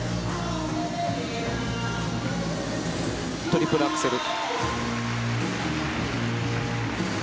トリプルアクセル。